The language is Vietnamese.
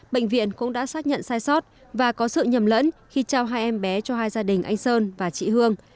bệnh viện cũng đã xác nhận sai sót và có sự nhầm lẫn khi trao hai em bé cho hai gia đình anh sơn và chị hương